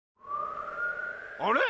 あれ？